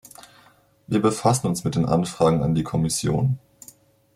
Wir befassen uns mit den Anfragen an die Kommission.